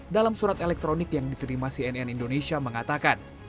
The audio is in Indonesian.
dalam surat elektronik yang diterima cnn indonesia mengatakan